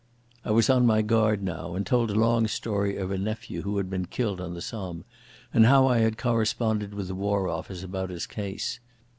I was on my guard now, and told a long story of a nephew who had been killed on the Somme, and how I had corresponded with the War Office about his case.